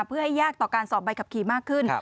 เพื่อให้ยากต่อการสอบใบขับขี่มากขึ้น